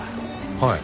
はい。